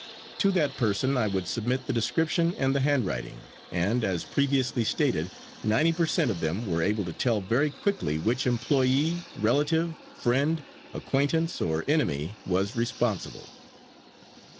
To that person I would submit the description and the handwriting, and, as previously stated, ninety per cent of them were able to tell very quickly which employee, relative, friend, acquaintance, or enemy was responsible.